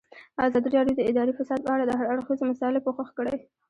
ازادي راډیو د اداري فساد په اړه د هر اړخیزو مسایلو پوښښ کړی.